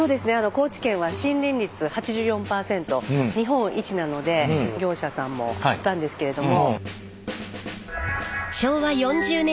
高知県は森林率８４％日本一なので業者さんもあったんですけれども。